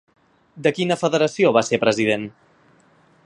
De quina federació va ser president?